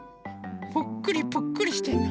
ぷっくりぷっくりしてるの。